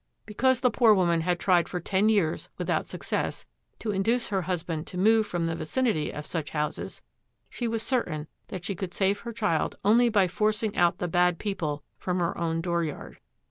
Because the poor woman had tried for ten years, without success, to induce her husband to move from the vicinity of such houses, she was certain that she could save her child only by forcing out 'the bad people' from her own door yard.